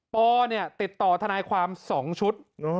ปติดต่อทนายความ๒ชุด